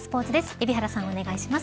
海老原さん、お願いします。